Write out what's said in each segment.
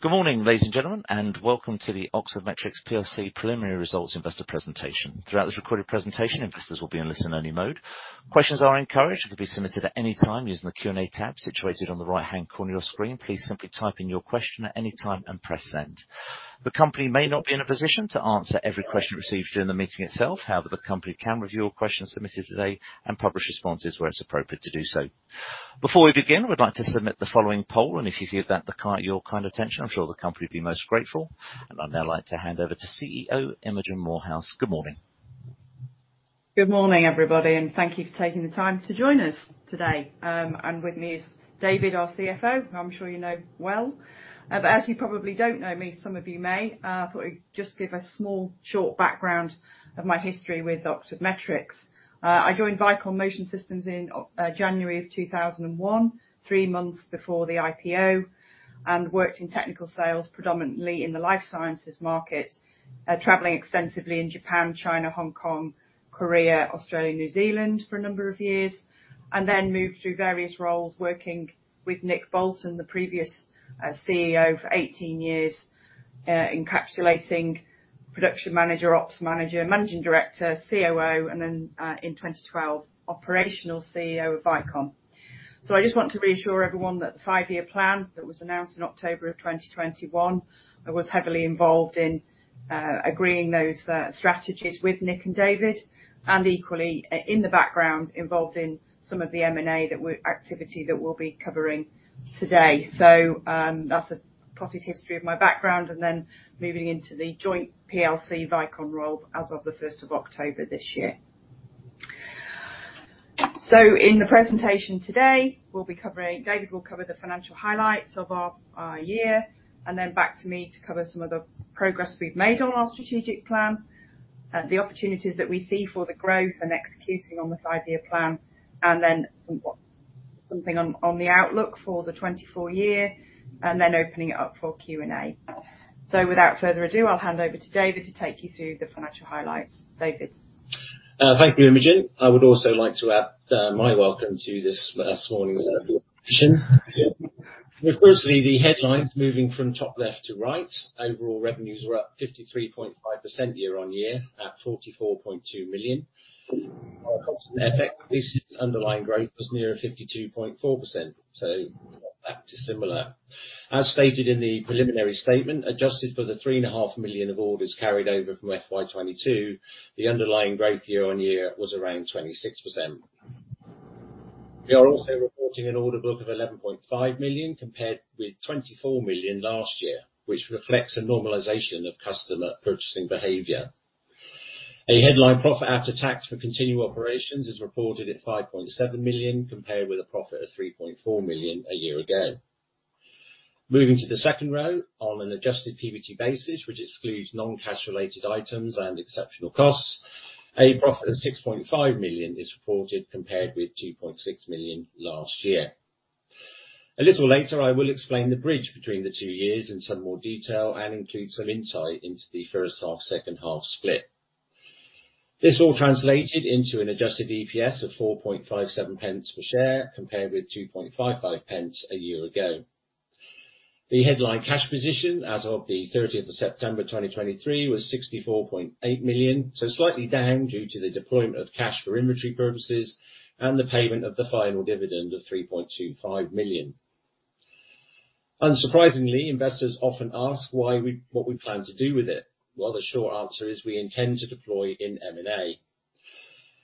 Good morning, ladies and gentlemen, and welcome to the Oxford Metrics plc preliminary results investor presentation. Throughout this recorded presentation, investors will be in listen-only mode. Questions are encouraged and can be submitted at any time using the Q&A tab situated on the right-hand corner of your screen. Please simply type in your question at any time and press send. The company may not be in a position to answer every question received during the meeting itself. However, the company can review all questions submitted today and publish responses where it's appropriate to do so. Before we begin, we'd like to submit the following poll, and if you give that your kind attention, I'm sure the company will be most grateful. I'd now like to hand over to CEO, Imogen Moorhouse. Good morning. Good morning, everybody, thank you for taking the time to join us today. With me is David, our CFO, who I'm sure you know well. As you probably don't know me, some of you may, I thought I'd just give a small, short background of my history with Oxford Metrics. I joined Vicon Motion Systems in January of 2001, three months before the IPO, and worked in technical sales, predominantly in the life sciences market, traveling extensively in Japan, China, Hong Kong, Korea, Australia, and New Zealand for a number of years. Then moved through various roles working with Nick Bolton, the previous CEO for 18 years, encapsulating production manager, ops manager, managing director, COO, and then in 2012, operational CEO of Vicon. I just want to reassure everyone that the five-year plan that was announced in October of 2021, I was heavily involved in agreeing those strategies with Nick and David, and equally, in the background, involved in some of the M&A activity that we'll be covering today. That's a potted history of my background, and then moving into the joint plc Vicon role as of the 1st of October this year. In the presentation today, David will cover the financial highlights of our year, and then back to me to cover some of the progress we've made on our strategic plan, the opportunities that we see for the growth and executing on the five-year plan, and then something on the outlook for the 2024 year, and then opening it up for Q&A. Without further ado, I'll hand over to David to take you through the financial highlights. David. Thank you, Imogen. I would also like to add my welcome to this morning's session. Firstly, the headlines moving from top left to right. Overall revenues were up 53.5% year-on-year at 44.2 million. This underlying growth was near 52.4%, so not that dissimilar. As stated in the preliminary statement, adjusted for the 3.5 Million of orders carried over from FY 2022, the underlying growth year-on-year was around 26%. We are also reporting an order book of 11.5 million compared with 24 million last year, which reflects a normalization of customer purchasing behavior. A headline profit after tax for continued operations is reported at 5.7 million, compared with a profit of 3.4 million a year ago. Moving to the second row, on an adjusted PBT basis, which excludes non-cash related items and exceptional costs, a profit of 6.5 million is reported compared with 2.6 million last year. A little later, I will explain the bridge between the two years in some more detail and include some insight into the first half, second half split. This all translated into an adjusted EPS of 0.0457 per share, compared with 0.0255 a year ago. The headline cash position as of the 30th of September 2023 was 64.8 million, so slightly down due to the deployment of cash for inventory purposes and the payment of the final dividend of 3.25 million. Unsurprisingly, investors often ask what we plan to do with it. The short answer is we intend to deploy in M&A.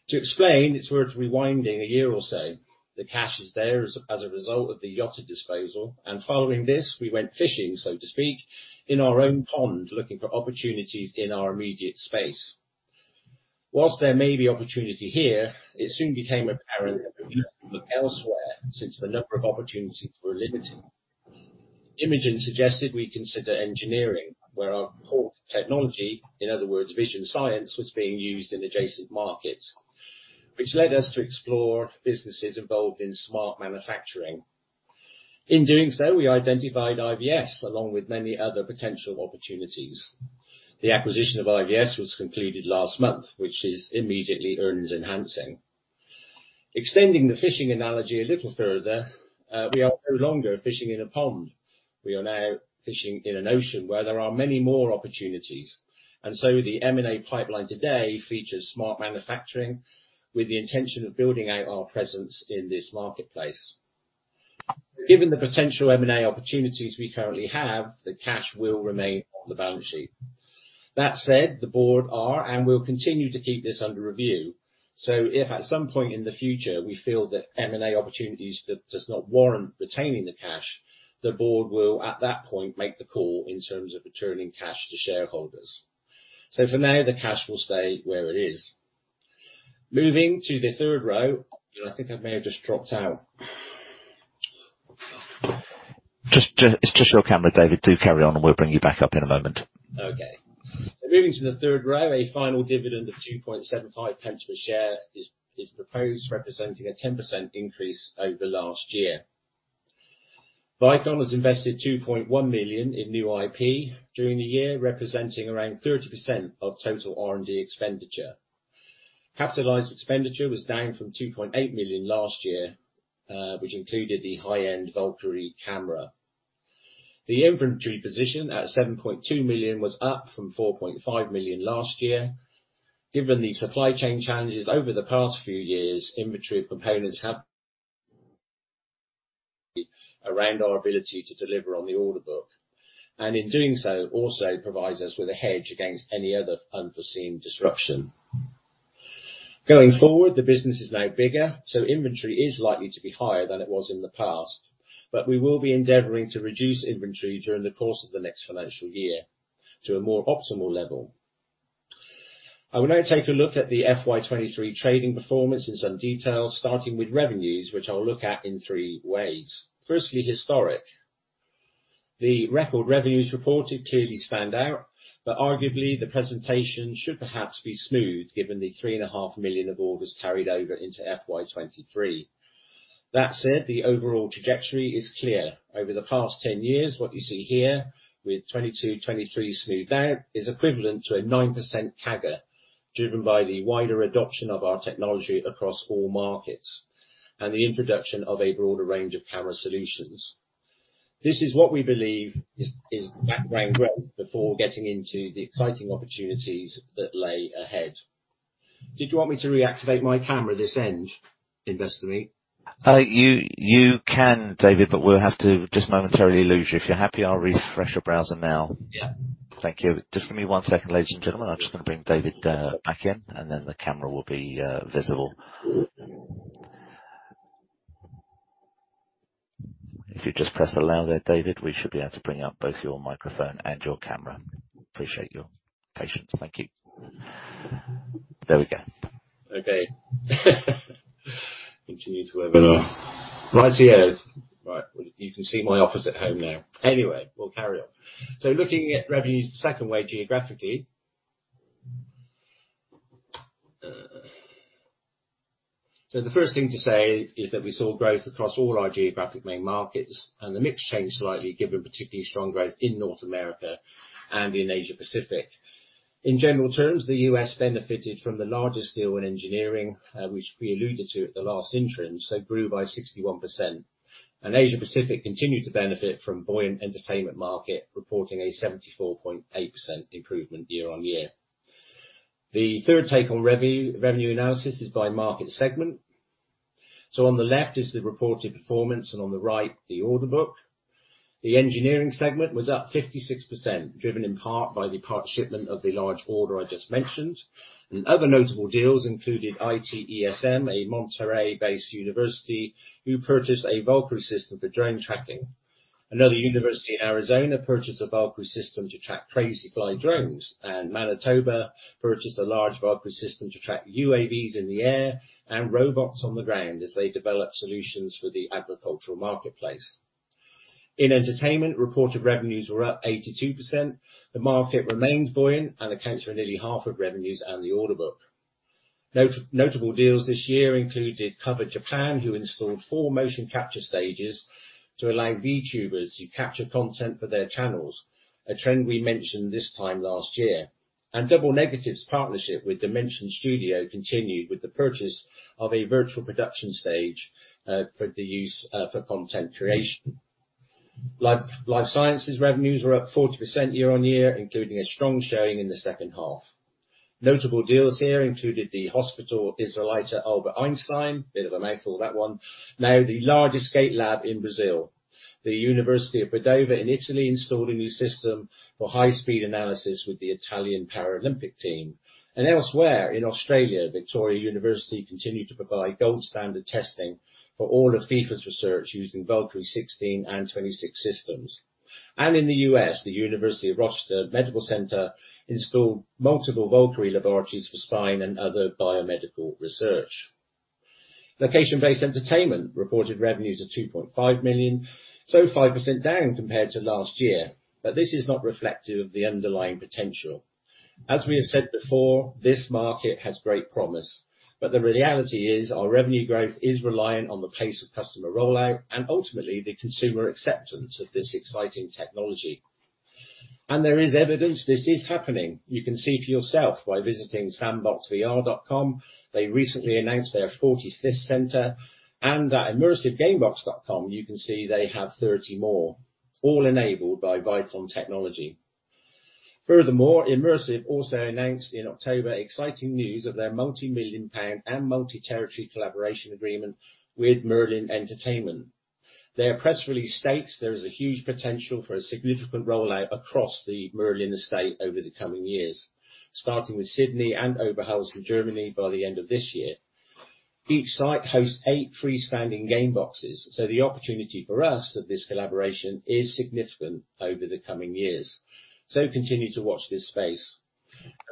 To explain, it's worth rewinding a year or so. The cash is there as a result of the Yotta disposal, and following this, we went fishing, so to speak, in our own pond, looking for opportunities in our immediate space. Whilst there may be opportunity here, it soon became apparent that we elsewhere since the number of opportunities were limited. Imogen suggested we consider engineering, where our core technology, in other words, vision science, was being used in adjacent markets, which led us to explore businesses involved in smart manufacturing. In doing so, we identified IVS along with many other potential opportunities. The acquisition of IVS was concluded last month, which is immediately earnings enhancing. Extending the fishing analogy a little further, we are no longer fishing in a pond. We are now fishing in an ocean where there are many more opportunities. The M&A pipeline today features smart manufacturing with the intention of building out our presence in this marketplace. Given the potential M&A opportunities we currently have, the cash will remain on the balance sheet. That said, the board are, and will continue to keep this under review. If at some point in the future we feel that M&A opportunities that does not warrant retaining the cash, the board will, at that point, make the call in terms of returning cash to shareholders. For now, the cash will stay where it is. Moving to the third row. I think I may have just dropped out. It's just your camera, David. Do carry on, and we'll bring you back up in a moment. Okay. Moving to the third row, a final dividend of 0.0275 per share is proposed, representing a 10% increase over last year. Vicon has invested 2.1 million in new IP during the year, representing around 30% of total R&D expenditure. Capitalized expenditure was down from 2.8 million last year, which included the high-end Valkyrie camera. The inventory position at 7.2 million was up from 4.5 million last year. Given the supply chain challenges over the past few years, inventory components have around our ability to deliver on the order book. In doing so, also provides us with a hedge against any other unforeseen disruption. Going forward, the business is now bigger, inventory is likely to be higher than it was in the past. We will be endeavoring to reduce inventory during the course of the next financial year to a more optimal level. I will now take a look at the FY 2023 trading performance in some detail, starting with revenues, which I'll look at in three ways. Firstly, historic. The record revenues reported clearly stand out, but arguably, the presentation should perhaps be smooth given the three and 3.5 million of orders carried over into FY 2023. That said, the overall trajectory is clear. Over the past 10 years, what you see here with 2022, 2023 smoothed out, is equivalent to a 9% CAGR, driven by the wider adoption of our technology across all markets and the introduction of a broader range of camera solutions. This is what we believe is background growth before getting into the exciting opportunities that lay ahead. Did you want me to reactivate my camera this end, InvestorMeet? You can, David, we'll have to just momentarily lose you. If you're happy, I'll refresh your browser now. Yeah. Thank you. Just give me one second, ladies and gentlemen. I'm just going to bring David back in, then the camera will be visible. If you just press allow there, David, we should be able to bring up both your microphone and your camera. Appreciate your patience. Thank you. There we go. Okay. Continue to where we were. Right, you can see my office at home now. Anyway, we'll carry on. Looking at revenues the second way, geographically. The first thing to say is that we saw growth across all our geographic main markets, the mix changed slightly given particularly strong growth in North America and in Asia-Pacific. In general terms, the U.S. benefited from the largest deal in engineering, which we alluded to at the last interim, grew by 61%. Asia-Pacific continued to benefit from buoyant entertainment market, reporting a 74.8% improvement year-over-year. The third take on revenue analysis is by market segment. On the left is the reported performance and on the right, the order book. The engineering segment was up 56%, driven in part by the part shipment of the large order I just mentioned. Other notable deals included ITESM, a Monterrey-based university who purchased a Valkyrie system for drone tracking. Another university in Arizona purchased a Valkyrie system to track Crazyflie drones, Manitoba purchased a large Valkyrie system to track UAVs in the air and robots on the ground as they develop solutions for the agricultural marketplace. In entertainment, reported revenues were up 82%. The market remains buoyant and accounts for nearly half of revenues and the order book. Notable deals this year included COVER Japan, who installed four motion capture stages to allow VTubers to capture content for their channels, a trend we mentioned this time last year. Double Negative's partnership with Dimension Studio continued with the purchase of a virtual production stage, for the use for content creation. Life sciences revenues were up 40% year-over-year, including a strong showing in the second half. Notable deals here included the Hospital Israelita Albert Einstein, bit of a mouthful that one, now the largest GAIT lab in Brazil. The University of Padova in Italy installed a new system for high-speed analysis with the Italian Paralympic team. Elsewhere in Australia, Victoria University continued to provide gold standard testing for all of FIFA's research using Valkyrie 16 and 26 systems. In the U.S., the University of Rochester Medical Center installed multiple Valkyrie laboratories for spine and other biomedical research. Location-based entertainment reported revenues of 2.5 million, 5% down compared to last year. This is not reflective of the underlying potential. As we have said before, this market has great promise. The reality is our revenue growth is reliant on the pace of customer rollout and ultimately the consumer acceptance of this exciting technology. There is evidence this is happening. You can see for yourself by visiting sandboxvr.com. They recently announced their 45th center, and at immersivegamebox.com, you can see they have 30 more, all enabled by Vicon technology. Furthermore, Immersive also announced in October exciting news of their multimillion-pound and multi-territory collaboration agreement with Merlin Entertainments. Their press release states there is a huge potential for a significant rollout across the Merlin estate over the coming years, starting with Sydney and Oberhausen, Germany by the end of this year. Each site hosts eight freestanding game boxes, so the opportunity for us of this collaboration is significant over the coming years. Continue to watch this space.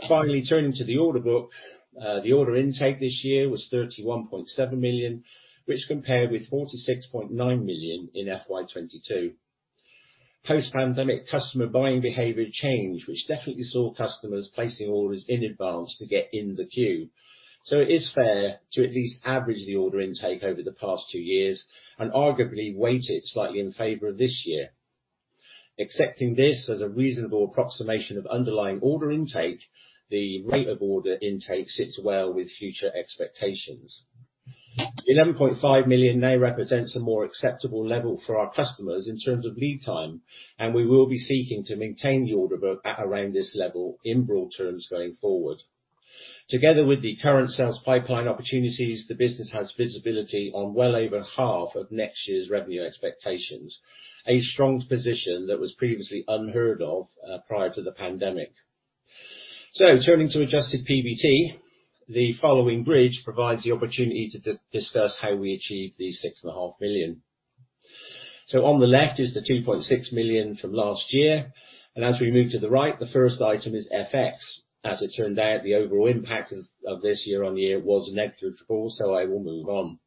Turning to the order book. The order intake this year was 31.7 million, which compared with 46.9 million in FY 2022. Post-pandemic customer buying behavior changed, which definitely saw customers placing orders in advance to get in the queue. It is fair to at least average the order intake over the past two years and arguably weight it slightly in favor of this year. Accepting this as a reasonable approximation of underlying order intake, the rate of order intake sits well with future expectations. 11.5 million now represents a more acceptable level for our customers in terms of lead time, and we will be seeking to maintain the order book at around this level in broad terms going forward. Together with the current sales pipeline opportunities, the business has visibility on well over half of next year's revenue expectations, a strong position that was previously unheard of prior to the pandemic. Turning to adjusted PBT, the following bridge provides the opportunity to discuss how we achieve the 6.5 million. On the left is the 2.6 million from last year, and as we move to the right, the first item is FX. As it turned out, the overall impact of this year on year was negligible. I will move on.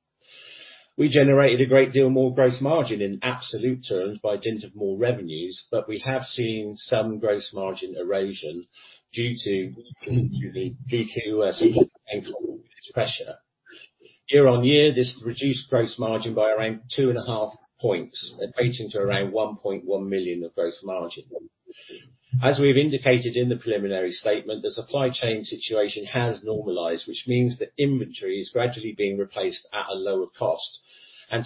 We generated a great deal more gross margin in absolute terms by dint of more revenues, but we have seen some gross margin erosion due to the Q2 income pressure. Year-on-year, this reduced gross margin by around two and a half points, equating to around 1.1 million of gross margin. We've indicated in the preliminary statement, the supply chain situation has normalized, which means that inventory is gradually being replaced at a lower cost.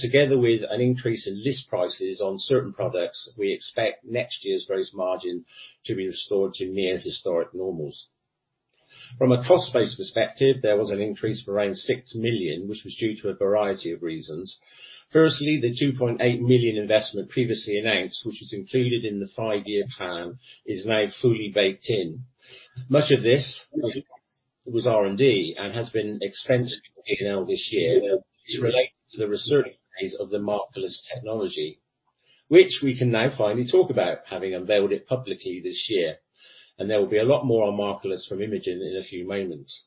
Together with an increase in list prices on certain products, we expect next year's gross margin to be restored to near historic normals. From a cost-base perspective, there was an increase of around 6 million, which was due to a variety of reasons. Firstly, the 2.8 million investment previously announced, which is included in the five-year plan, is now fully baked in. Much of this was R&D and has been expensively taken out this year to relate to the research phase of the Markerless technology, which we can now finally talk about, having unveiled it publicly this year, and there will be a lot more on Markerless from Imogen in a few moments.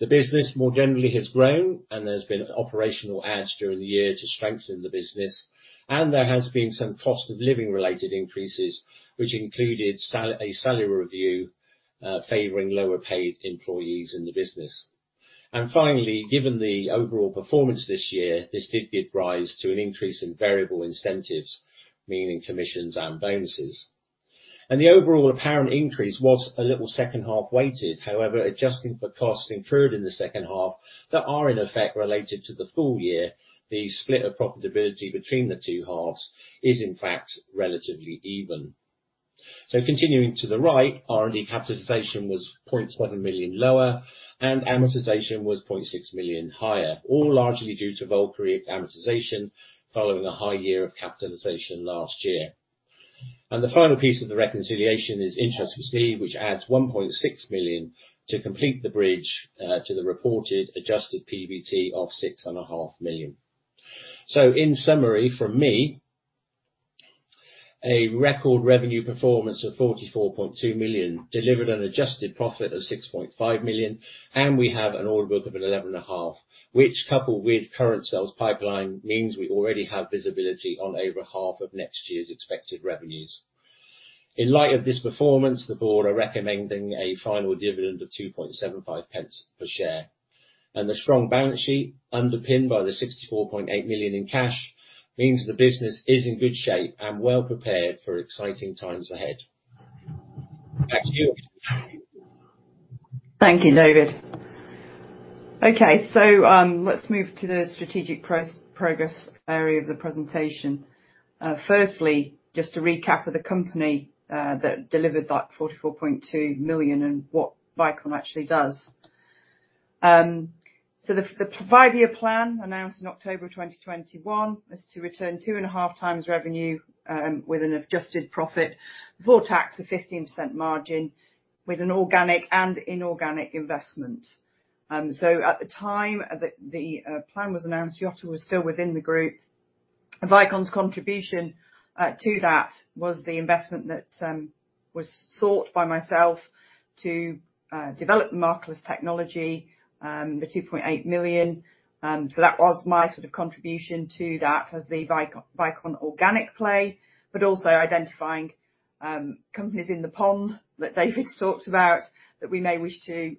The business more generally has grown, and there's been operational adds during the year to strengthen the business, and there has been some cost of living-related increases, which included a salary review, favoring lower-paid employees in the business. Finally, given the overall performance this year, this did give rise to an increase in variable incentives, meaning commissions and bonuses. The overall apparent increase was a little second half-weighted. However, adjusting for costs incurred in the second half that are in effect related to the full year, the split of profitability between the two halves is in fact relatively even. Continuing to the right, R&D capitalization was 0.7 million lower, and amortization was 0.6 million higher, all largely due to Valkyrie amortization following a high year of capitalization last year. The final piece of the reconciliation is interest received, which adds 1.6 million to complete the bridge, to the reported adjusted PBT of 6.5 million. In summary from me, a record revenue performance of 44.2 million delivered an adjusted profit of 6.5 million, and we have an order book of 11.5 million, which coupled with current sales pipeline means we already have visibility on over half of next year's expected revenues. In light of this performance, the board are recommending a final dividend of 0.0275 per share, and the strong balance sheet underpinned by the 64.8 million in cash means the business is in good shape and well prepared for exciting times ahead. Back to you. Thank you, David. Okay. Let's move to the strategic progress area of the presentation. Firstly, just a recap of the company that delivered that 44.2 million and what Vicon actually does. The five-year plan announced in October of 2021 is to return 2.5x revenue, with an adjusted profit before tax of 15% margin with an organic and inorganic investment. At the time the plan was announced, Yotta was still within the group. Vicon's contribution to that was the investment that was sought by myself to develop Markerless technology, the 2.8 million. That was my sort of contribution to that as the Vicon organic play, but also identifying companies in the pond that David talked about that we may wish to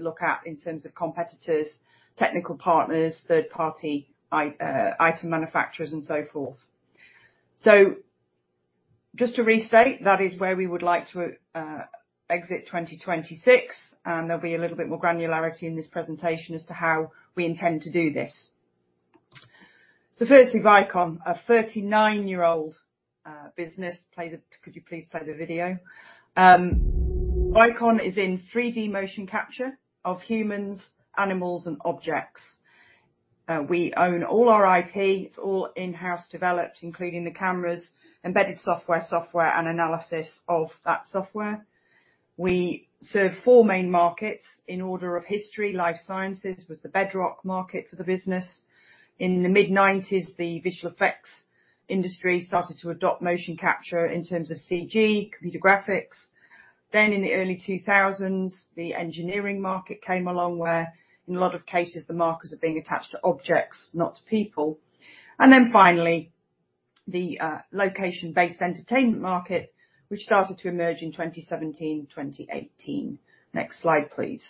look at in terms of competitors, technical partners, third-party item manufacturers, and so forth. Just to restate, that is where we would like to exit 2026, and there'll be a little bit more granularity in this presentation as to how we intend to do this. Firstly, Vicon, a 39-year-old business. Could you please play the video? Vicon is in 3D motion capture of humans, animals, and objects. We own all our IP. It's all in-house developed, including the cameras, embedded software, and analysis of that software. We serve four main markets in order of history. Life sciences was the bedrock market for the business. In the mid 1990s, the visual effects industry started to adopt motion capture in terms of CG, computer graphics. In the early 2000s, the engineering market came along where in a lot of cases the markers are being attached to objects, not to people. Finally, the location-based entertainment market, which started to emerge in 2017, 2018. Next slide, please.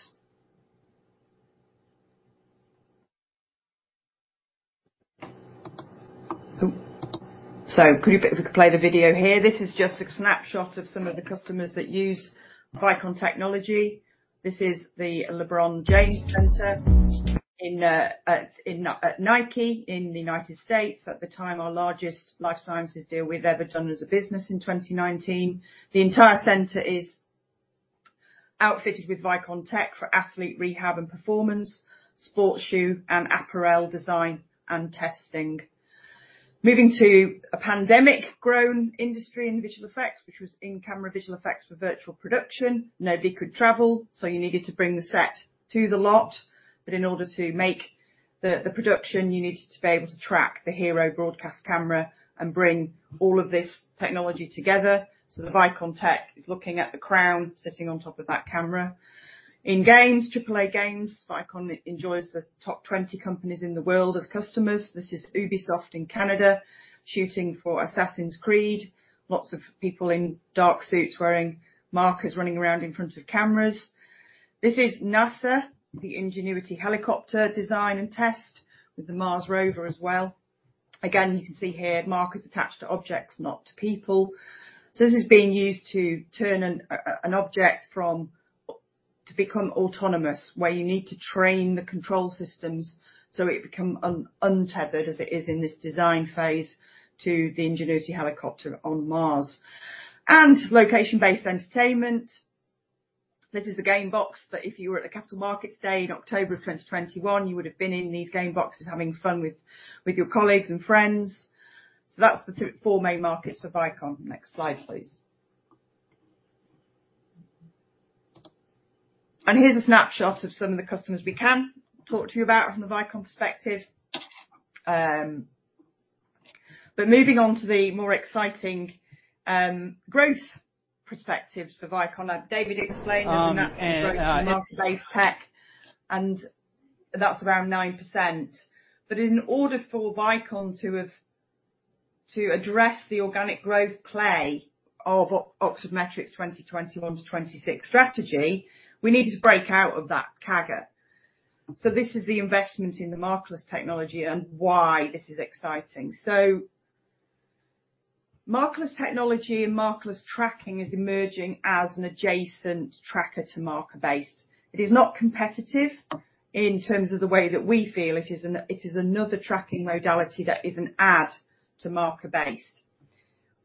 Could we play the video here? This is just a snapshot of some of the customers that use Vicon technology. This is the LeBron James Center at Nike in the United States. At the time, our largest life sciences deal we'd ever done as a business in 2019. The entire center is outfitted with Vicon tech for athlete rehab and performance, sports shoe and apparel design, and testing. Moving to a pandemic-grown industry in visual effects, which was in-camera visual effects for virtual production. Nobody could travel, so you needed to bring the set to the lot. In order to make the production, you needed to be able to track the hero broadcast camera and bring all of this technology together. The Vicon tech is looking at the crown sitting on top of that camera. In games, triple A games, Vicon enjoys the top 20 companies in the world as customers. This is Ubisoft in Canada shooting for Assassin's Creed. Lots of people in dark suits wearing markers, running around in front of cameras. This is NASA, the Ingenuity helicopter design and test with the Mars Rover as well. Again, you can see here markers attached to objects, not to people. This is being used to turn an object to become autonomous, where you need to train the control systems, so it become untethered as it is in this design phase to the Ingenuity helicopter on Mars. Location-based entertainment. This is the Gamebox that if you were at the Capital Markets Day in October of 2021, you would have been in these Gameboxes having fun with your colleagues and friends. That's the four main markets for Vicon. Next slide, please. Here's a snapshot of some of the customers we can talk to you about from the Vicon perspective. Moving on to the more exciting growth perspectives for Vicon. David explained the snapshot growth in marker-based tech, and that's around 9%. In order for Vicon to address the organic growth play of Oxford Metrics 2021 to 2026 strategy, we needed to break out of that CAGR. This is the investment in the Markerless technology and why this is exciting. Markerless technology and Markerless tracking is emerging as an adjacent tracker to marker-based. It is not competitive in terms of the way that we feel. It is another tracking modality that is an add to marker-based.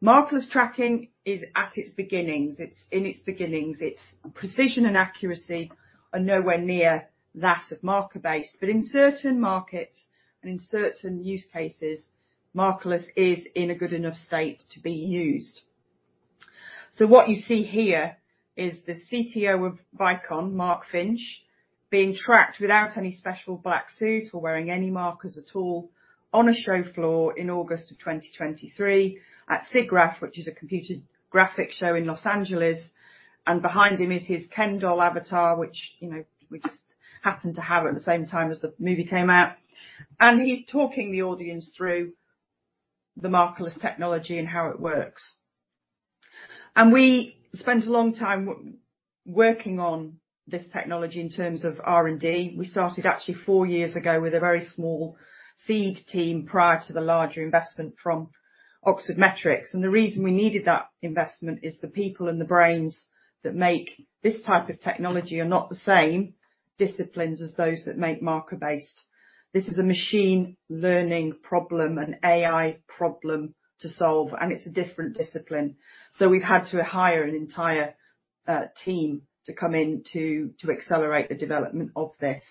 Markerless tracking is at its beginnings. Its precision and accuracy are nowhere near that of marker-based. In certain markets and in certain use cases, Markerless is in a good enough state to be used. What you see here is the CTO of Vicon, Mark Finch, being tracked without any special black suit or wearing any markers at all on a show floor in August of 2023 at SIGGRAPH, which is a computer graphic show in Los Angeles. Behind him is his Ken doll avatar, which we just happened to have at the same time as the movie came out. He's talking the audience through the Markerless technology and how it works. We spent a long time working on this technology in terms of R&D. We started actually four years ago with a very small seed team prior to the larger investment from Oxford Metrics. The reason we needed that investment is the people and the brains that make this type of technology are not the same disciplines as those that make marker-based. This is a machine learning problem, an AI problem to solve, and it's a different discipline. We've had to hire an entire team to come in to accelerate the development of this.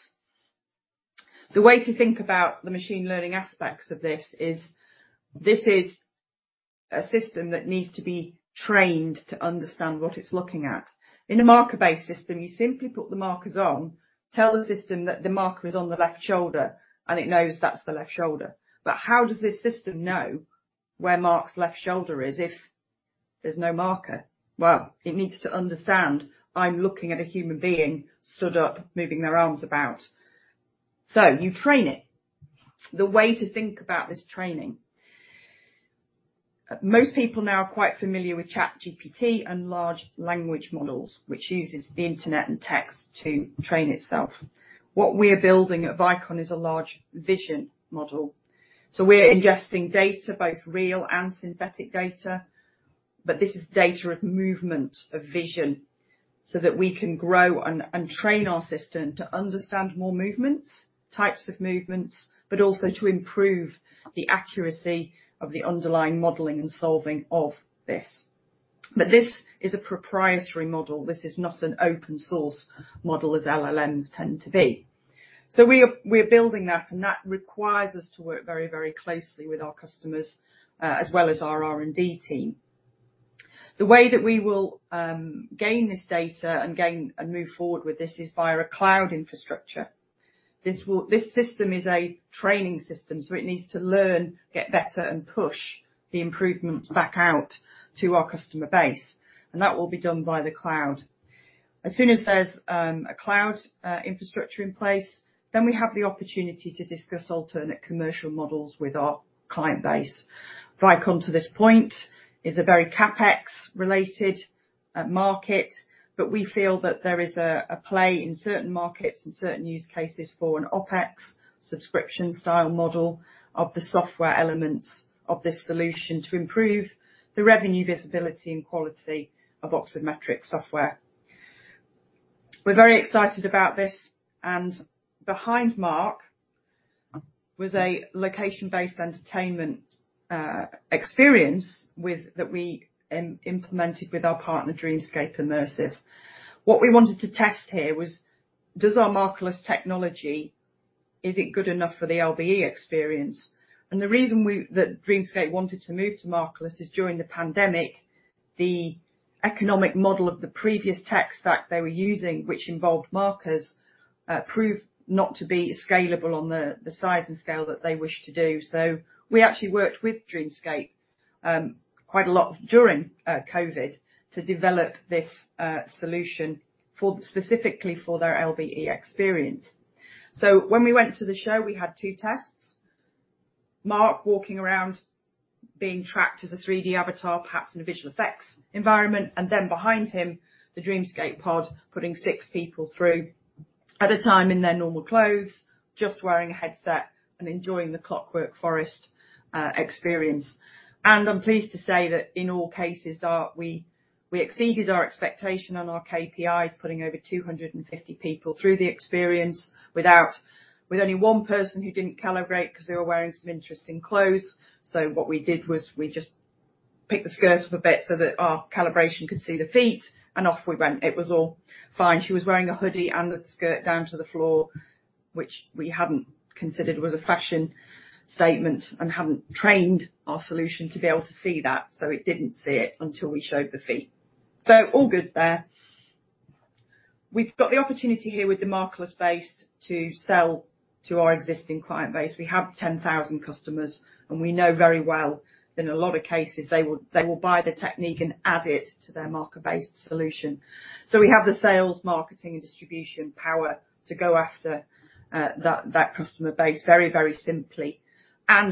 The way to think about the machine learning aspects of this is, this is a system that needs to be trained to understand what it's looking at. In a marker-based system, you simply put the markers on, tell the system that the marker is on the left shoulder, and it knows that's the left shoulder. How does this system know where Mark's left shoulder is if there's no marker? Well, it needs to understand, I'm looking at a human being stood up, moving their arms about. You train it. The way to think about this training. Most people now are quite familiar with ChatGPT and large language models, which uses the internet and text to train itself. What we are building at Vicon is a large vision model. We are ingesting data, both real and synthetic data, but this is data of movement of vision, so that we can grow and train our system to understand more movements, types of movements, but also to improve the accuracy of the underlying modeling and solving of this. This is a proprietary model. This is not an open source model as LLMs tend to be. We are building that, and that requires us to work very closely with our customers, as well as our R&D team. The way that we will gain this data and move forward with this is via a cloud infrastructure. This system is a training system, so it needs to learn, get better, and push the improvements back out to our customer base, and that will be done via the cloud. As soon as there's a cloud infrastructure in place, then we have the opportunity to discuss alternate commercial models with our client base. Vicon, to this point, is a very CapEx-related market, but we feel that there is a play in certain markets and certain use cases for an OpEx subscription style model of the software elements of this solution to improve the revenue visibility and quality of Oxford Metrics software. We're very excited about this, and behind Mark was a location-based entertainment experience that we implemented with our partner, Dreamscape Immersive. What we wanted to test here was, is our Markerless technology good enough for the LBE experience? The reason that Dreamscape wanted to move to Markerless is during the pandemic, the economic model of the previous tech stack they were using, which involved markers, proved not to be scalable on the size and scale that they wished to do. We actually worked with Dreamscape, quite a lot during COVID, to develop this solution specifically for their LBE experience. When we went to the show, we had two tests. Mark walking around being tracked as a 3D avatar, perhaps in a visual effects environment, and then behind him, the Dreamscape pod putting six people through at a time in their normal clothes, just wearing a headset and enjoying "The Clockwork Forest" experience. I'm pleased to say that in all cases, that we exceeded our expectation on our KPIs, putting over 250 people through the experience, with only one person who didn't calibrate because they were wearing some interesting clothes. What we did was we just picked the skirt up a bit so that our calibration could see the feet, and off we went. It was all fine. She was wearing a hoodie and a skirt down to the floor, which we hadn't considered was a fashion statement and hadn't trained our solution to be able to see that, so it didn't see it until we showed the feet. All good there. We've got the opportunity here with the Markerless base to sell to our existing client base. We have 10,000 customers, and we know very well in a lot of cases, they will buy the technique and add it to their marker-based solution. We have the sales, marketing, and distribution power to go after that customer base very simply.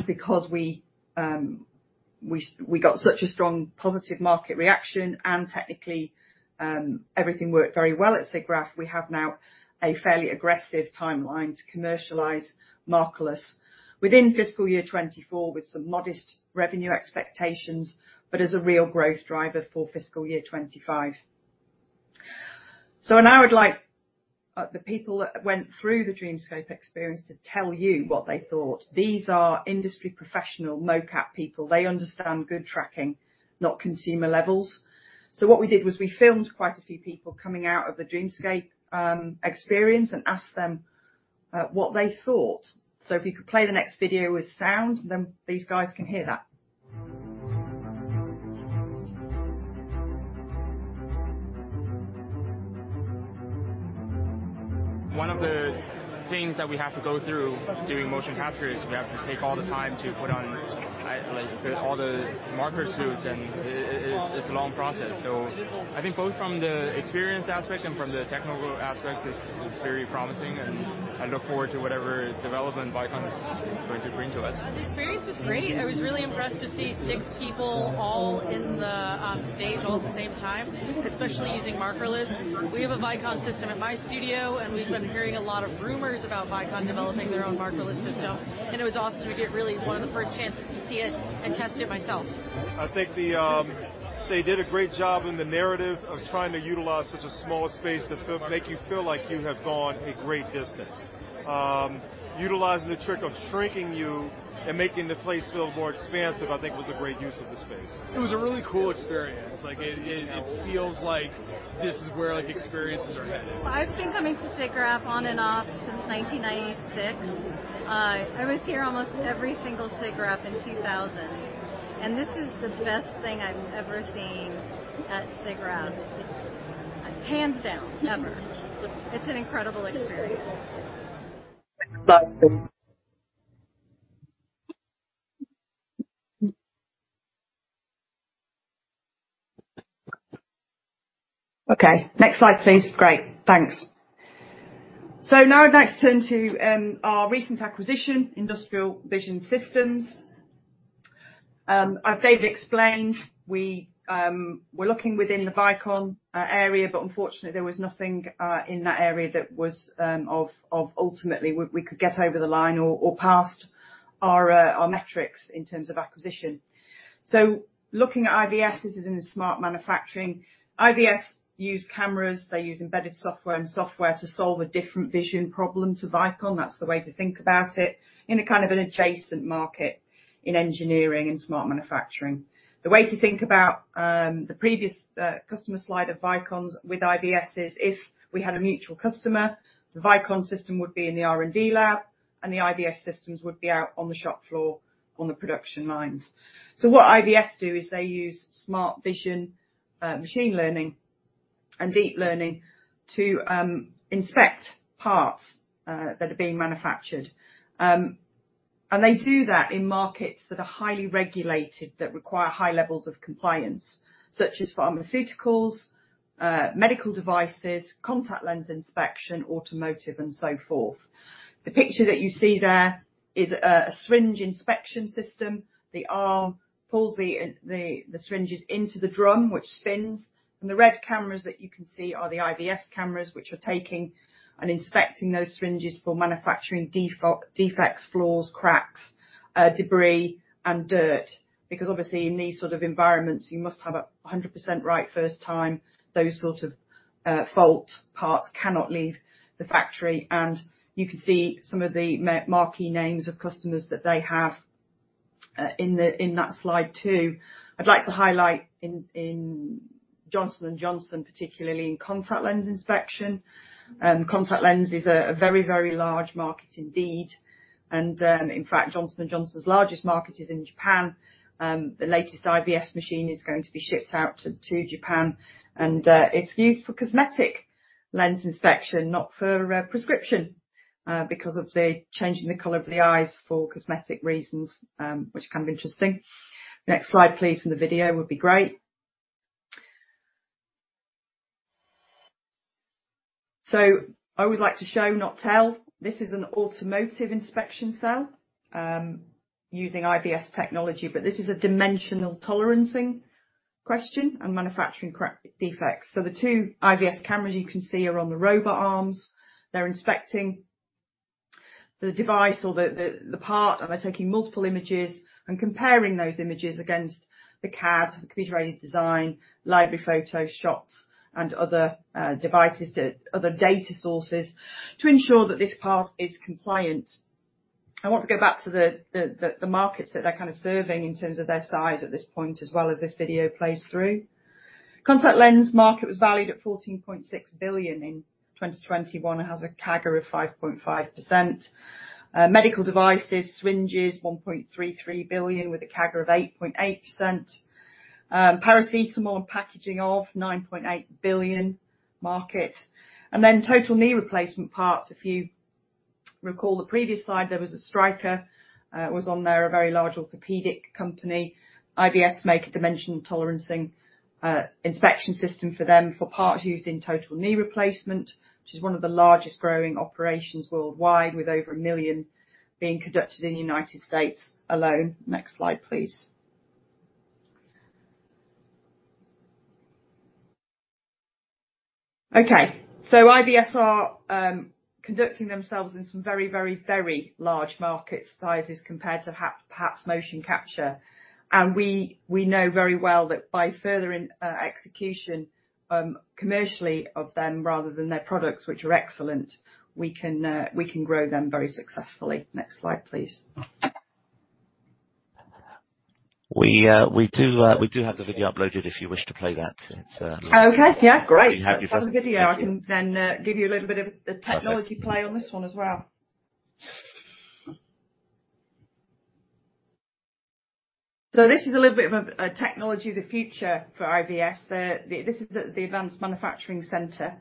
Because we got such a strong positive market reaction and technically everything worked very well at SIGGRAPH, we have now a fairly aggressive timeline to commercialize Markerless within fiscal year 2024, with some modest revenue expectations, but as a real growth driver for fiscal year 2025. Now I'd like the people that went through the Dreamscape experience to tell you what they thought. These are industry professional mocap people. They understand good tracking, not consumer levels. What we did was we filmed quite a few people coming out of the Dreamscape experience and asked them what they thought. If you could play the next video with sound, these guys can hear that. One of the things that we have to go through doing motion capture is we have to take all the time to put on all the marker suits, and it's a long process. I think both from the experience aspect and from the technical aspect, this is very promising, and I look forward to whatever development Vicon is going to bring to us. The experience was great. I was really impressed to see six people all in the stage all at the same time, especially using Markerless. We have a Vicon system at my studio, we've been hearing a lot of rumors about Vicon developing their own Markerless system, it was awesome to get really one of the first chances to see it and test it myself. I think they did a great job in the narrative of trying to utilize such a small space to make you feel like you have gone a great distance. Utilizing the trick of shrinking you and making the place feel more expansive, I think was a great use of the space. It was a really cool experience. It feels like this is where experiences are headed. I've been coming to SIGGRAPH on and off since 1996. I was here almost every single SIGGRAPH in 2000. This is the best thing I've ever seen at SIGGRAPH. Hands down. Ever. It's an incredible experience. Okay, next slide, please. Great. Thanks. Now I'd like to turn to our recent acquisition, Industrial Vision Systems. As David explained, we were looking within the Vicon area. Unfortunately, there was nothing in that area that was of ultimately we could get over the line or passed our metrics in terms of acquisition. Looking at IVS, this is in smart manufacturing. IVS use cameras. They use embedded software and software to solve a different vision problem to Vicon. That's the way to think about it in a kind of an adjacent market in engineering and smart manufacturing. The way to think about the previous customer slide of Vicon's with IVS is if we had a mutual customer, the Vicon system would be in the R&D lab, and the IVS systems would be out on the shop floor on the production lines. What IVS do is they use smart vision machine learning and deep learning to inspect parts that are being manufactured. They do that in markets that are highly regulated, that require high levels of compliance, such as pharmaceuticals, medical devices, contact lens inspection, automotive, and so forth. The picture that you see there is a syringe inspection system. The arm pulls the syringes into the drum, which spins. The red cameras that you can see are the IVS cameras, which are taking and inspecting those syringes for manufacturing defects, flaws, cracks, debris, and dirt. Obviously, in these sort of environments, you must have it 100% right first time. Those sort of fault parts cannot leave the factory. You can see some of the marquee names of customers that they have in that slide too. I'd like to highlight in Johnson & Johnson, particularly in contact lens inspection. Contact lens is a very large market indeed. In fact, Johnson & Johnson's largest market is in Japan. The latest IVS machine is going to be shipped out to Japan. It's used for cosmetic lens inspection, not for prescription, because of the changing the color of the eyes for cosmetic reasons, which can be interesting. Next slide, please, and the video would be great. I always like to show, not tell. This is an automotive inspection cell using IVS technology, this is a dimensional tolerancing question and manufacturing defects. The two IVS cameras you can see are on the robot arms. They're inspecting the device or the part, and they're taking multiple images and comparing those images against the CAD, the computer-aided design, library photo shots, and other devices, other data sources to ensure that this part is compliant. I want to go back to the markets that they're kind of serving in terms of their size at this point, as well as this video plays through. Contact lens market was valued at 14.6 billion in 2021 and has a CAGR of 5.5%. Medical devices, syringes, 1.33 billion with a CAGR of 8.8%. Paracetamol and packaging of 9.8 billion market. Then total knee replacement parts, if you recall the previous slide, there was a Stryker was on there, a very large orthopedic company. IVS make a dimensional tolerancing inspection system for them for parts used in total knee replacement, which is one of the largest growing operations worldwide, with over a million being conducted in the U.S. alone. Next slide, please. Okay. IVS are conducting themselves in some very large market sizes compared to perhaps motion capture. We know very well that by furthering execution commercially of them rather than their products, which are excellent, we can grow them very successfully. Next slide, please. We do have the video uploaded if you wish to play that. Okay. Yeah, great Happy for us to. Have the video. I can then give you a little bit of the technology play on this one as well. This is a little bit of a technology of the future for IVS. This is the advanced manufacturing center,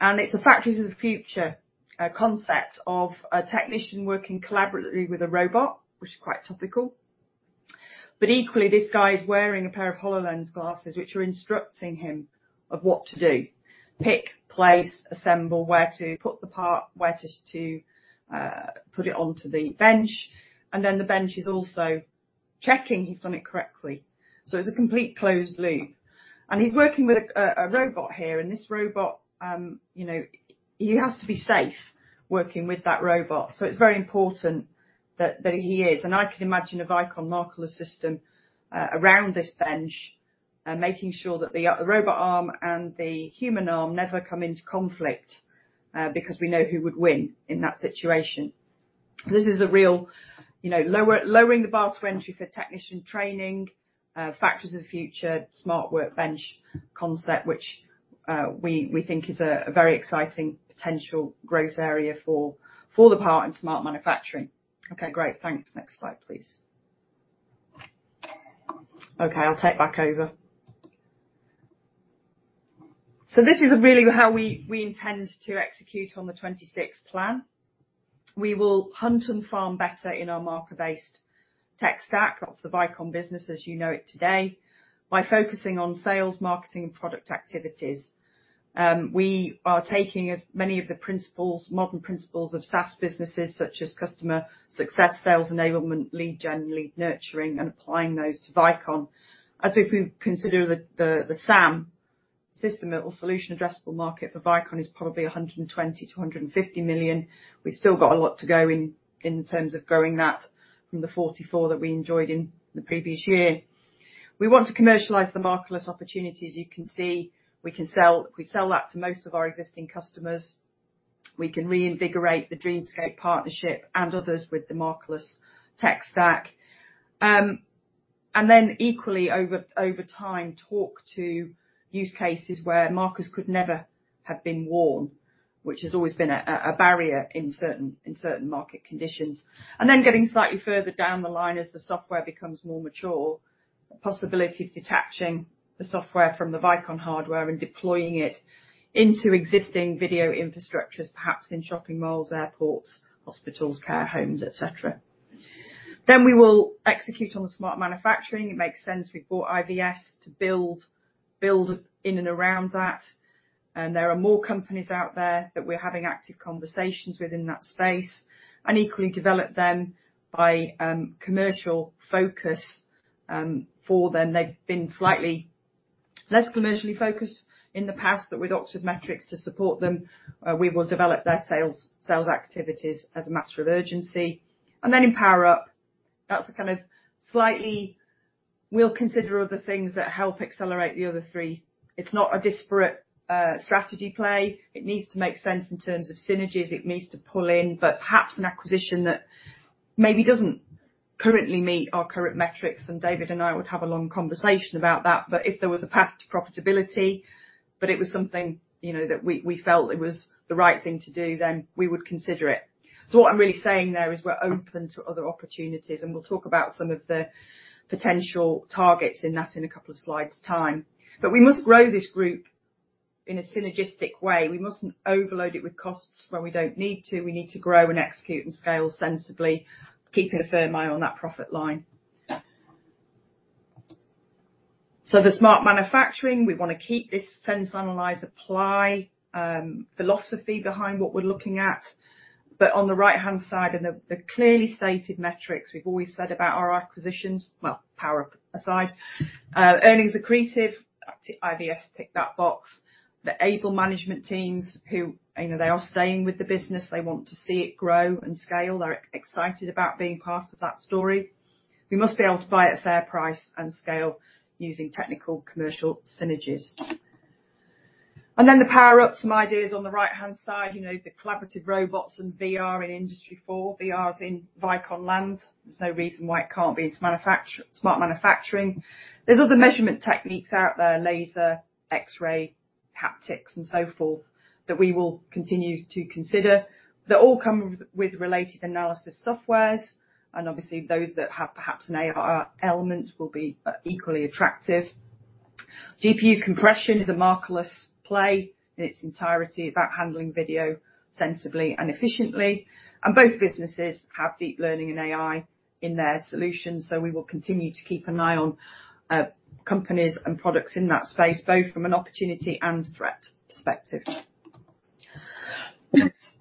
and it's a factories of the future concept of a technician working collaboratively with a robot, which is quite topical. Equally, this guy is wearing a pair of HoloLens glasses which are instructing him of what to do. Pick, place, assemble, where to put the part, where to put it onto the bench, and then the bench is also checking he's done it correctly. It's a complete closed loop. He's working with a robot here, and this robot, he has to be safe working with that robot. It's very important that he is. I can imagine a Vicon Markerless system around this bench, making sure that the robot arm and the human arm never come into conflict, because we know who would win in that situation. This is a real lowering the bar to entry for technician training, factories of the future, smart workbench concept, which we think is a very exciting potential growth area for the part in smart manufacturing. Okay, great. Thanks. Next slide, please. Okay, I'll take back over. This is really how we intend to execute on the 2026 plan. We will hunt and farm better in our marker-based tech stack, that's the Vicon business as you know it today, by focusing on sales, marketing, and product activities. We are taking as many of the modern principles of SaaS businesses, such as customer success, sales enablement, lead gen, lead nurturing, and applying those to Vicon. If we consider the SAM, system or solution addressable market for Vicon is probably 120 million-150 million. We've still got a lot to go in terms of growing that from the 44 million that we enjoyed in the previous year. We want to commercialize the markerless opportunities. You can see, if we sell that to most of our existing customers, we can reinvigorate the Dreamscape partnership and others with the markerless tech stack. Equally, over time, talk to use cases where markers could never have been worn, which has always been a barrier in certain market conditions. Getting slightly further down the line as the software becomes more mature, the possibility of detaching the software from the Vicon hardware and deploying it into existing video infrastructures, perhaps in shopping malls, airports, hospitals, care homes, et cetera. We will execute on the smart manufacturing. It makes sense. We bought IVS to build in and around that. There are more companies out there that we're having active conversations within that space. Equally develop them by commercial focus for them. They've been slightly less commercially focused in the past. With Oxford Metrics to support them, we will develop their sales activities as a matter of urgency. In power up, we'll consider other things that help accelerate the other three. It's not a disparate strategy play. It needs to make sense in terms of synergies it needs to pull in. Perhaps an acquisition that maybe doesn't currently meet our current metrics, and David and I would have a long conversation about that. If there was a path to profitability, it was something that we felt it was the right thing to do, we would consider it. What I'm really saying there is we're open to other opportunities. We'll talk about some of the potential targets in that in a couple of slides' time. We must grow this group in a synergistic way. We mustn't overload it with costs where we don't need to. We need to grow and execute and scale sensibly, keeping a firm eye on that profit line. The smart manufacturing, we want to keep this sense, analyze, apply philosophy behind what we're looking at. On the right-hand side, the clearly stated metrics we've always said about our acquisitions, well, power up aside, earnings accretive, IVS tick that box. The able management teams who, they are staying with the business. They want to see it grow and scale. They're excited about being part of that story. We must be able to buy at a fair price and scale using technical commercial synergies. The power up, some ideas on the right-hand side, the collaborative robots and VR in Industry four. VR is in Vicon land. There's no reason why it can't be in smart manufacturing. There's other measurement techniques out there, laser, X-ray, haptics, and so forth, that we will continue to consider. They all come with related analysis softwares, and obviously those that have perhaps an AR element will be equally attractive. GPU compression is a markerless play in its entirety about handling video sensibly and efficiently. Both businesses have deep learning and AI in their solutions. We will continue to keep an eye on companies and products in that space, both from an opportunity and threat perspective.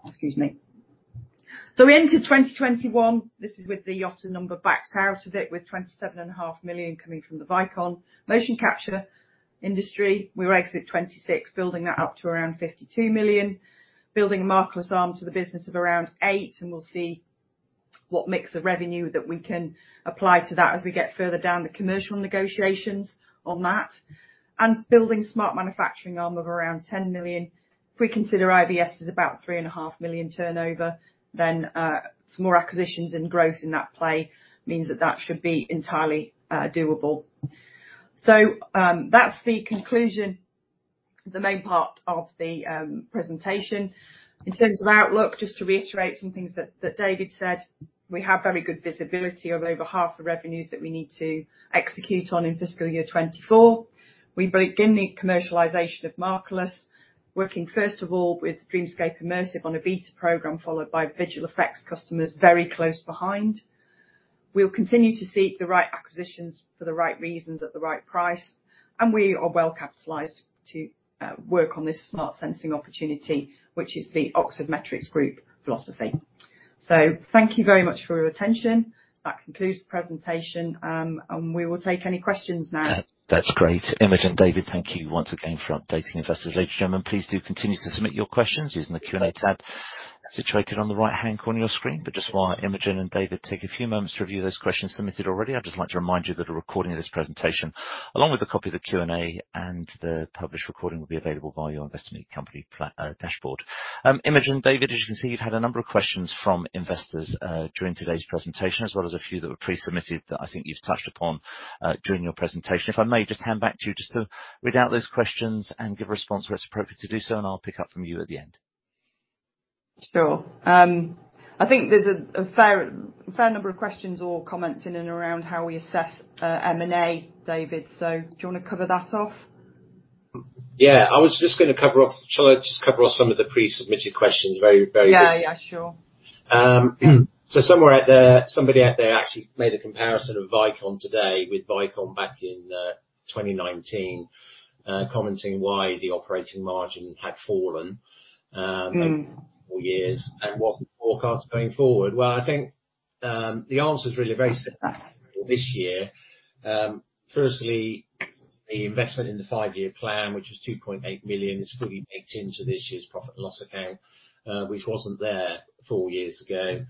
Excuse me. We enter 2021. This is with the Yotta number backed out of it, with 27.5 million coming from the Vicon motion capture industry. We exit 2026, building that up to around 52 million, building a Markerless arm to the business of around 8 million, and we'll see what mix of revenue that we can apply to that as we get further down the commercial negotiations on that. Building smart manufacturing arm of around 10 million. If we consider IVS as about 3.5 Million turnover, then some more acquisitions and growth in that play means that that should be entirely doable. That's the conclusion, the main part of the presentation. In terms of outlook, just to reiterate some things that David said, we have very good visibility of over half the revenues that we need to execute on in fiscal year 2024. We begin the commercialization of Markerless, working first of all with Dreamscape Immersive on a beta program, followed by visual effects customers very close behind. We'll continue to seek the right acquisitions for the right reasons at the right price, and we are well capitalized to work on this smart sensing opportunity, which is the Oxford Metrics group philosophy. Thank you very much for your attention. That concludes the presentation, and we will take any questions now. That's great. Imogen, David, thank you once again for updating investors. Ladies and gentlemen, please do continue to submit your questions using the Q&A tab situated on the right-hand corner of your screen. Just while Imogen and David take a few moments to review those questions submitted already, I'd just like to remind you that a recording of this presentation, along with a copy of the Q&A and the published recording, will be available via your investing company dashboard. Imogen, David, as you can see, you've had a number of questions from investors, during today's presentation, as well as a few that were pre-submitted that I think you've touched upon during your presentation. If I may just hand back to you just to read out those questions and give a response where it's appropriate to do so, I'll pick up from you at the end. Sure. I think there's a fair number of questions or comments in and around how we assess M&A, David. Do you want to cover that off? Yeah. Shall I just cover off some of the pre-submitted questions very, very quick? Yeah. Sure. Somewhere out there, somebody out there actually made a comparison of Vicon today with Vicon back in 2019, commenting why the operating margin had fallen four years and what the forecast going forward. I think, the answer is really very simple this year. Firstly, the investment in the five-year plan, which was 2.8 million, is fully baked into this year's profit and loss account, which wasn't there four years ago.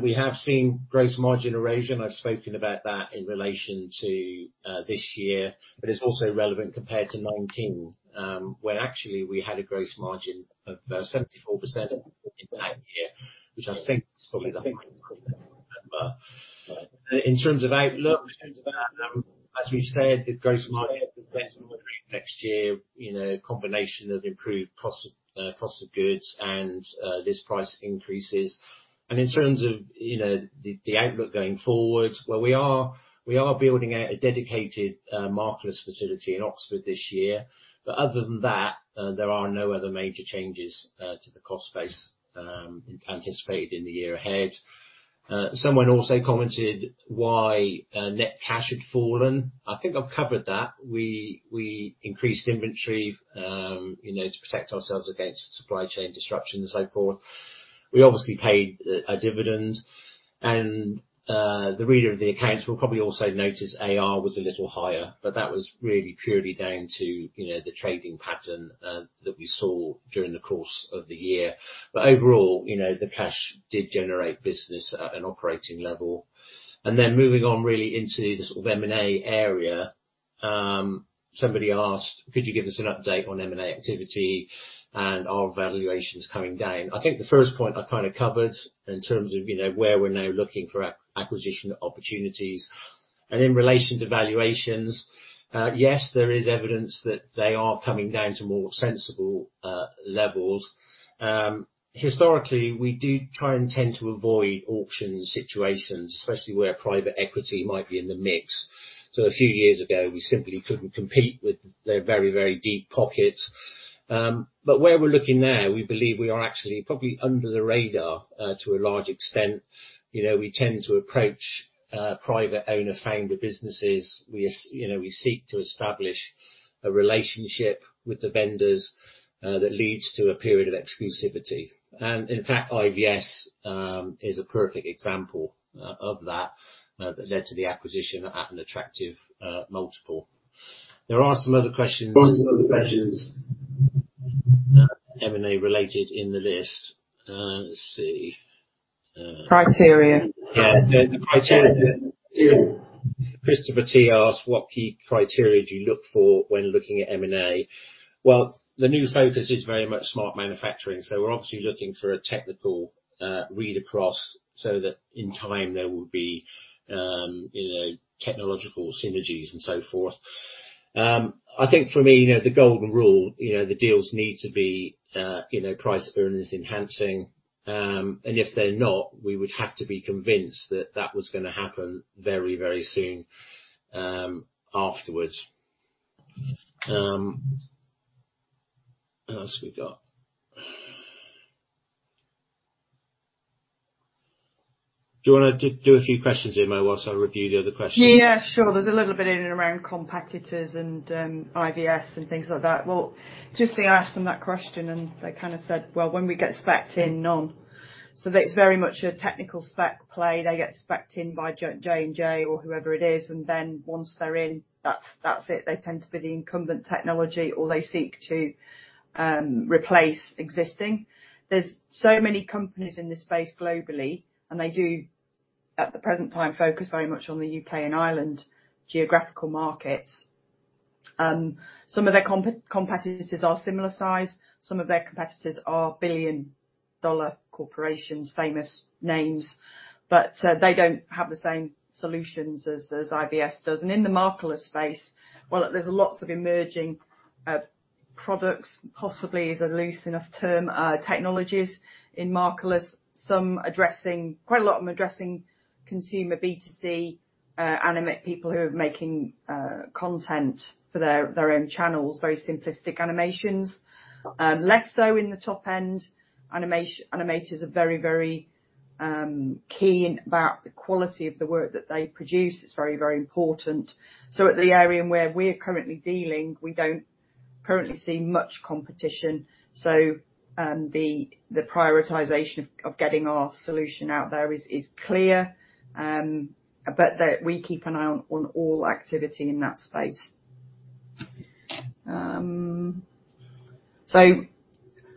We have seen gross margin erosion. I've spoken about that in relation to this year. It's also relevant compared to 2019, when actually we had a gross margin of 74% in that year, which I think is probably the high. In terms of outlook, as we said, the gross margin next year, combination of improved cost of goods and list price increases. In terms of the outlook going forward, we are building out a dedicated Markerless facility in Oxford this year. Other than that, there are no other major changes to the cost base anticipated in the year ahead. Someone also commented why net cash had fallen. I think I've covered that. We increased inventory to protect ourselves against supply chain disruption and so forth. We obviously paid a dividend, and the reader of the accounts will probably also notice AR was a little higher, but that was really purely down to the trading pattern that we saw during the course of the year. Overall, the cash did generate business at an operating level. Moving on really into the sort of M&A area. Somebody asked, could you give us an update on M&A activity and are valuations coming down? I think the first point I kind of covered in terms of where we're now looking for acquisition opportunities. In relation to valuations, yes, there is evidence that they are coming down to more sensible levels. Historically, we do try and tend to avoid auction situations, especially where private equity might be in the mix. A few years ago, we simply couldn't compete with their very, very deep pockets. Where we're looking now, we believe we are actually probably under the radar, to a large extent. We tend to approach private owner founder businesses. We seek to establish a relationship with the vendors that leads to a period of exclusivity. In fact, IVS is a perfect example of that led to the acquisition at an attractive multiple. There are some other questions M&A related in the list. Let's see. Criteria. Yeah. The criteria. Christopher T. asked what key criteria do you look for when looking at M&A? Well, the new focus is very much smart manufacturing, we're obviously looking for a technical read across so that in time there will be technological synergies and so forth. I think for me, the golden rule, the deals need to be price earnings enhancing. If they're not, we would have to be convinced that that was gonna happen very, very soon afterwards. What else we got? Do you wanna do a few questions, Imogen, whilst I review the other questions? Yeah, sure. There's a little bit in and around competitors and IVS and things like that. Well, just they asked them that question, they kind of said, well, when we get spec'd in, none. It's very much a technical spec play. They get spec'd in by J&J or whoever it is, then once they're in, that's it. They tend to be the incumbent technology or they seek to replace existing. There's so many companies in this space globally, they do, at the present time, focus very much on the U.K. and Ireland geographical markets. Some of their competitors are similar size, some of their competitors are billion-dollar corporations, famous names, they don't have the same solutions as IVS does. In the Markerless space, well, there's lots of emerging products, possibly is a loose enough term, technologies in Markerless, quite a lot of them addressing consumer B2C, people who are making content for their own channels, very simplistic animations. Less so in the top end. Animators are very keen about the quality of the work that they produce. It's very important. At the area in where we are currently dealing, we don't currently see much competition. The prioritization of getting our solution out there is clear, but we keep an eye on all activity in that space.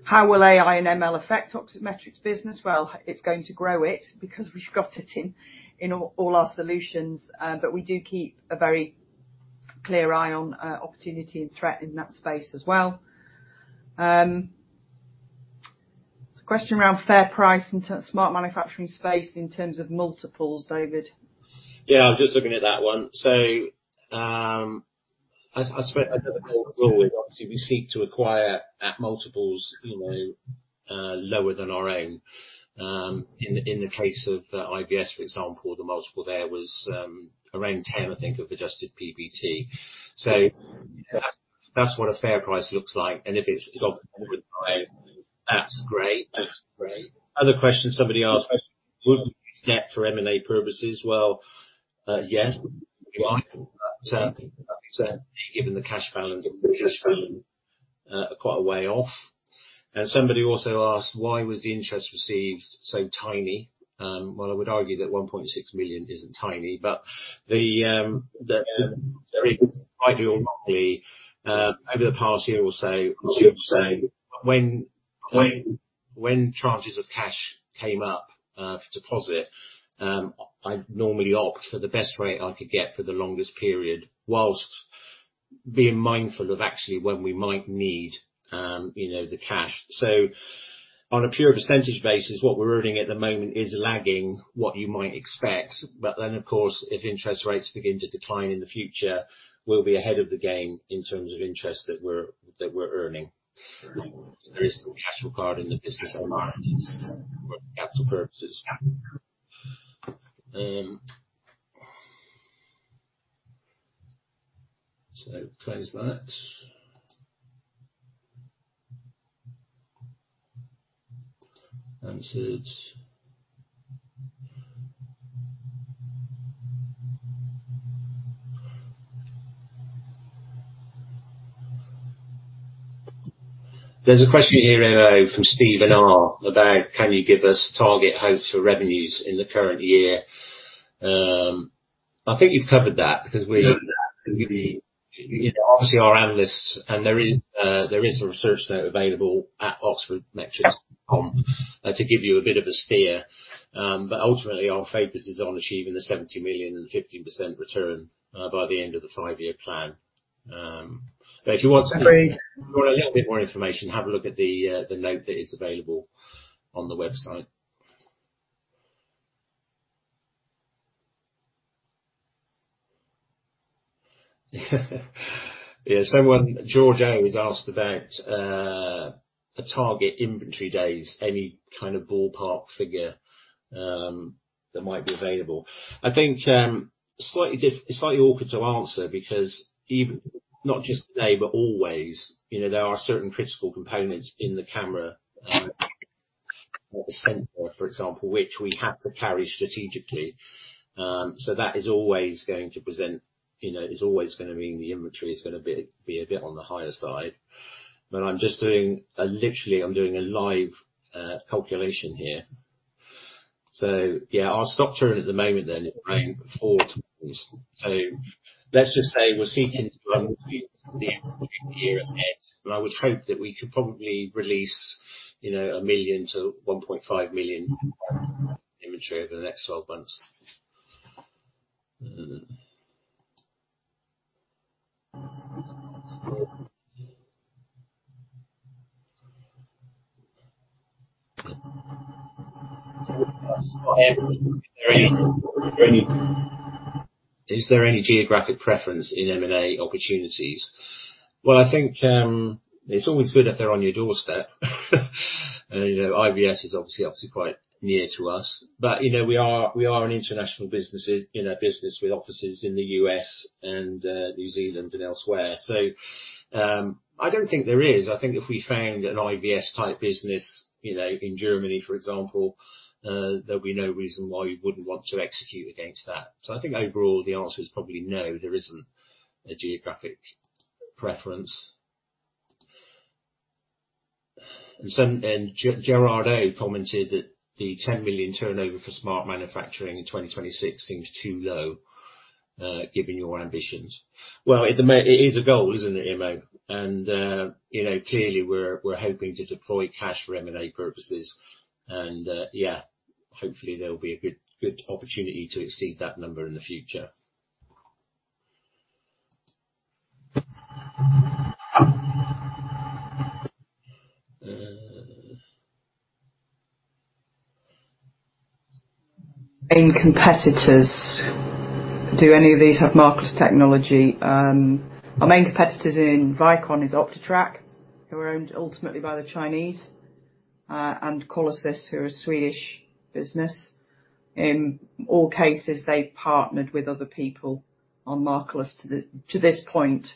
How will AI and ML affect Oxford Metrics's business? Well, it's going to grow it because we've got it in all our solutions. We do keep a very clear eye on opportunity and threat in that space as well. There's a question around fair price in smart manufacturing space in terms of multiples, David. Yeah, I'm just looking at that one. I expect obviously, we seek to acquire at multiples lower than our own. In the case of IVS, for example, the multiple there was around 10, I think, of adjusted PBT. That's what a fair price looks like, and if it's that's great. Other question somebody asked, would we use debt for M&A purposes? Well, yes, we are. Given the cash balance quite a way off. Somebody also asked, why was the interest received so tiny? Well, I would argue that 1.6 million isn't tiny, but over the past year or so, I should say, when tranches of cash came up for deposit, I normally opt for the best rate I could get for the longest period whilst being mindful of actually when we might need the cash. On a pure percentage basis, what we're earning at the moment is lagging what you might expect. Of course, if interest rates begin to decline in the future, we'll be ahead of the game in terms of interest that we're earning. There is some cash regarding the business working capital purposes. Close that. Answered. There's a question here from Stephen R. about can you give us target hopes for revenues in the current year? I think you've covered that because we obviously our analysts. There is a research note available at oxfordmetrics.com to give you a bit of a steer. Ultimately, our focus is on achieving the 70 million and 15% return by the end of the five-year plan. Agreed. if you want a little bit more information, have a look at the note that is available on the website. Yeah. Someone, George O., has asked about target inventory days, any kind of ballpark figure that might be available. I think it's slightly awkward to answer because even, not just today, but always, there are certain critical components in the camera at the center, for example, which we have to carry strategically. That is always going to mean the inventory is going to be a bit on the higher side. I'm just doing a, literally, I'm doing a live calculation here. Yeah, our stock turn at the moment then is around four times. Let's just say we're seeking to the year ahead, and I would hope that we could probably release 1 million to 1.5 million inventory over the next 12 months. Is there any geographic preference in M&A opportunities? Well, I think it's always good if they're on your doorstep. IVS is obviously quite near to us. We are an international business with offices in the U.S. and New Zealand and elsewhere. I don't think there is. I think if we found an IVS type business, in Germany, for example, there'd be no reason why we wouldn't want to execute against that. I think overall, the answer is probably no, there isn't a geographic preference. Then Gerard O. commented that the 10 million turnover for smart manufacturing in 2026 seems too low, given your ambitions. Well, it is a goal, isn't it, Imo? Clearly, we're hoping to deploy cash for M&A purposes. Yeah, hopefully there'll be a good opportunity to exceed that number in the future. Main competitors. Do any of these have Markerless technology? Our main competitors in Vicon is OptiTrack, who are owned ultimately by the Chinese, and Qualisys, who are a Swedish business. In all cases, they've partnered with other people on Markerless to this point.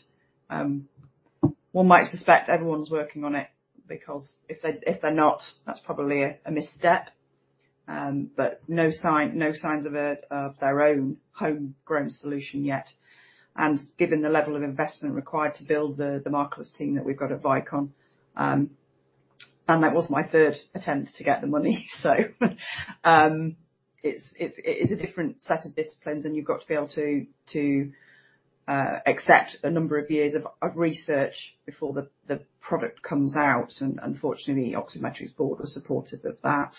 One might suspect everyone's working on it because if they're not, that's probably a misstep. No signs of their own homegrown solution yet. Given the level of investment required to build the Markerless team that we've got at Vicon, and that was my third attempt to get the money. It's a different set of disciplines, and you've got to be able to accept a number of years of research before the product comes out. Fortunately, Oxford Metrics board was supportive of that.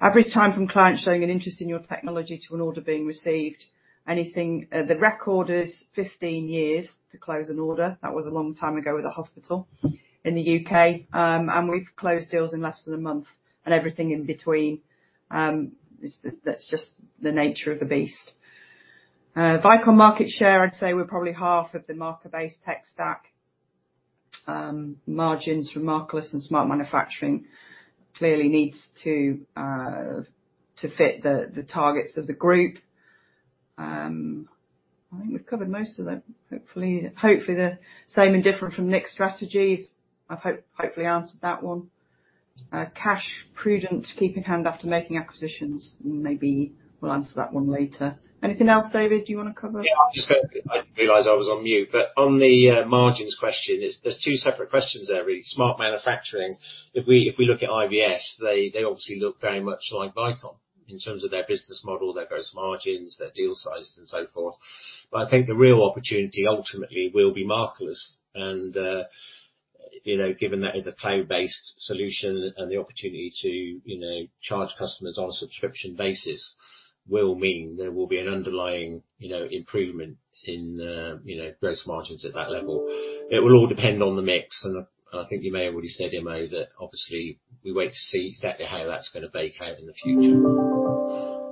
Average time from clients showing an interest in your technology to an order being received. The record is 15 years to close an order. That was a long time ago with a hospital in the U.K. We've closed deals in less than a month and everything in between. That's just the nature of the beast. Vicon market share, I'd say we're probably half of the marker-based tech stack. Margins from Markerless and smart manufacturing clearly needs to fit the targets of the group. I think we've covered most of them. Hopefully the same and different from Nick's strategies. I've hopefully answered that one. Cash prudent to keep in hand after making acquisitions. Maybe we'll answer that one later. Anything else, David, you want to cover? I didn't realize I was on mute. On the margins question, there's two separate questions there, really. Smart manufacturing, if we look at IVS, they obviously look very much like Vicon in terms of their business model, their gross margins, their deal sizes, and so forth. I think the real opportunity ultimately will be Markerless. Given that is a cloud-based solution and the opportunity to charge customers on a subscription basis will mean there will be an underlying improvement in gross margins at that level. It will all depend on the mix, and I think you may have already said, Imo, that obviously we wait to see exactly how that's going to bake out in the future.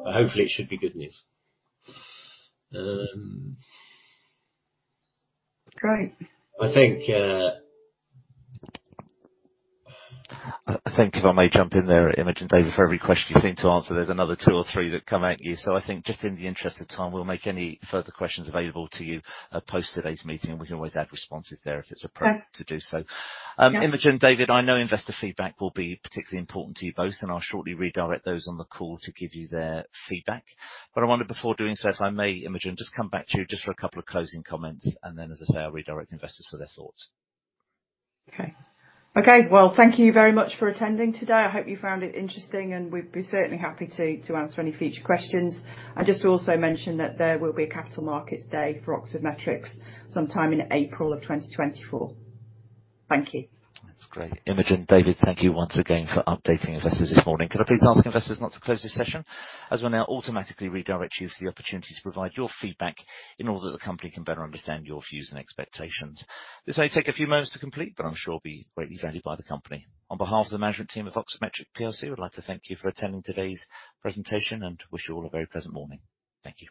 Hopefully it should be good news. Great. I think. I think if I may jump in there, Imogen, David, for every question you seem to answer, there's another two or three that come at you. I think just in the interest of time, we'll make any further questions available to you post today's meeting, and we can always add responses there if it's appropriate to do so. Okay. Yeah. Imogen, David, I know investor feedback will be particularly important to you both, and I'll shortly redirect those on the call to give you their feedback. I wonder before doing so, if I may, Imogen, just come back to you just for a couple of closing comments, and then, as I say, I'll redirect investors for their thoughts. Okay. Thank you very much for attending today. I hope you found it interesting, and we'd be certainly happy to answer any future questions. I'll just also mention that there will be a capital markets day for Oxford Metrics sometime in April of 2024. Thank you. That's great. Imogen, David, thank you once again for updating investors this morning. Could I please ask investors not to close this session, as we'll now automatically redirect you to the opportunity to provide your feedback in order that the company can better understand your views and expectations. This may take a few moments to complete, but I'm sure it'll be greatly valued by the company. On behalf of the management team of Oxford Metrics PLC, we'd like to thank you for attending today's presentation and wish you all a very pleasant morning. Thank you.